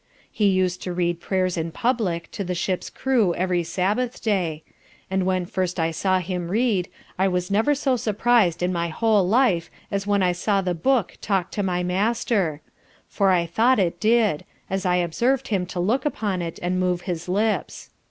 He used to read prayers in public to the ship's crew every Sabbath day; and when first I saw him read, I was never so surprised in my whole life as when I saw the book talk to my master; for I thought it did, as I observed him to look upon it, and move his lips.